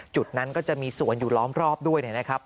จุดนั้นก็จะมีสวนอยู่ล้อมรอบด้วยนะครับ